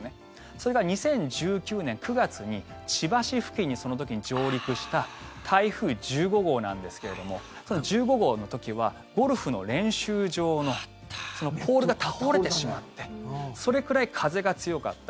それが２０１９年９月に千葉市付近にその時に上陸した台風１５号なんですけどもその１５号の時はゴルフの練習場のポールが倒れてしまってそれくらい風が強かった。